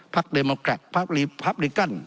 พัทดโมแคร็กซ์พับริกัล